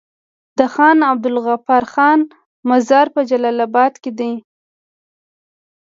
د خان عبدالغفار خان مزار په جلال اباد کی دی